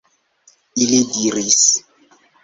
Ili diris: